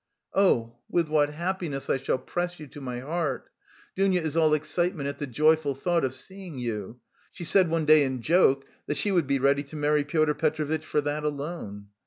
Oh, with what happiness I shall press you to my heart! Dounia is all excitement at the joyful thought of seeing you, she said one day in joke that she would be ready to marry Pyotr Petrovitch for that alone.